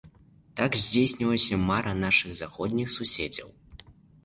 Так здзейснілася мара нашых заходніх суседзяў.